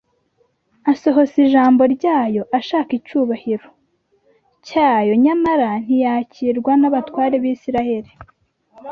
asohoza ijambo ryayo, ashaka icyubahil-o cyayo, nyamara ntiyakilwa n'abatware b'Isiraeli;